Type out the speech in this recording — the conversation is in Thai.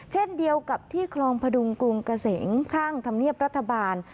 เช่นเดียวกับที่คลองพดุงกรุงเกษมข้างธรรมเนียบรัฐบาล